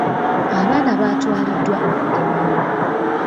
Abaana baatwaliddwa okugemebwa.